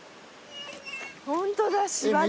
ホントだ芝で。